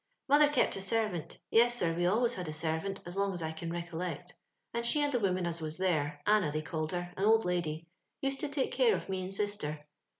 Mother kept a serrant ; yes, sir, we always had a servant, as long as I can recollect ; and she and the woman as was there — Anna they called her, an old lady — used to take care of me and sister.